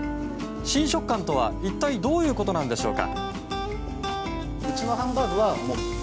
新食感とは一体どういうことなんでしょうか。